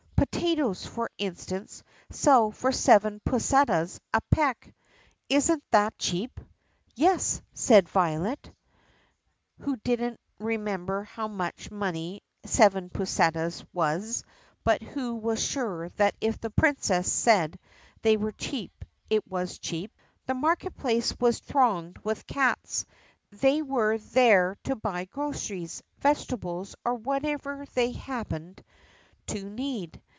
Potatoes, for instance, sell for seven pussetas a peck. Is n't that cheap*?" "Yes," said Violet, who did n't remember how much money seven pussetas was but who was sure that if the Princess said that was cheap it was cheap. The market place was thronged with cats. They were there to buy groceries, vegetables, or whatever they happened to need.